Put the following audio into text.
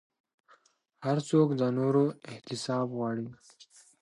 هر څوک د نورو احتساب غواړي